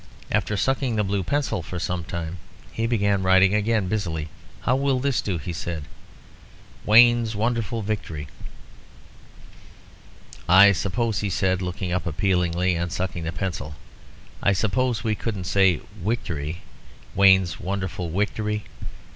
After sucking the blue pencil for some time, he began writing again busily. "How will this do?" he said "WAYNE'S WONDERFUL VICTORY." "I suppose," he said, looking up appealingly, and sucking the pencil "I suppose we couldn't say 'wictory' 'Wayne's wonderful wictory'?